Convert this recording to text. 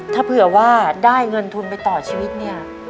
ถ้าเผื่อว่าได้เงินทุนไปต่อชีวิตเนี่ย